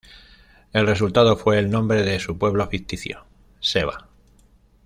El resultado fue el nombre de su pueblo ficticio: "Seva".